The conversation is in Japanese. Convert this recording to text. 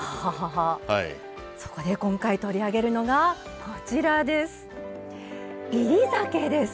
そこで今回取り上げるのがこちらです。